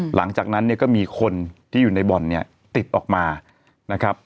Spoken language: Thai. หลังจากนั้นเนี่ยก็มีคนที่อยู่ในบ่อนเนี่ยติดออกมานะครับ